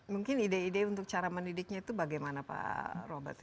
mungkin ide ide untuk cara mendidiknya itu bagaimana pak robert